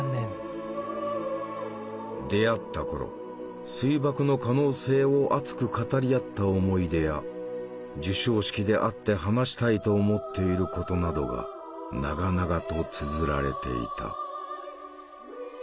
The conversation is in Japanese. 出会った頃水爆の可能性を熱く語り合った思い出や授賞式で会って話したいと思っていることなどが長々とつづられていた。